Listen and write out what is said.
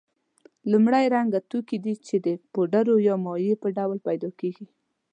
لومړی رنګه توکي دي چې د پوډرو یا مایع په ډول پیدا کیږي.